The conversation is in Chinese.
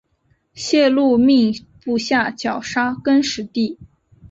谢禄命部下绞杀更始帝。